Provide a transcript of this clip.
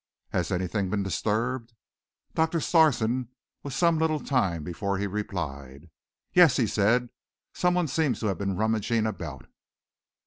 "Has anything been disturbed?" Doctor Sarson was some little time before he replied. "Yes," he said, "some one seems to have been rummaging about."